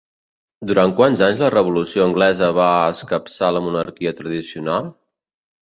Durant quants anys la Revolució anglesa va escapçar la monarquia tradicional?